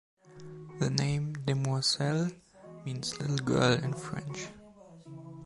The name "Demoiselle" means "little girl" in French.